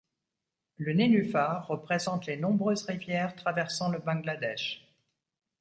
Le nénuphar représente les nombreuses rivières traversant le Bangladesh.